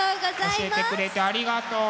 教えてくれてありがとう。